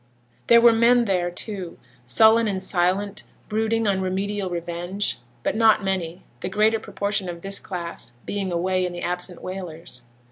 There were men there, too, sullen and silent, brooding on remedial revenge; but not many, the greater proportion of this class being away in the absent whalers.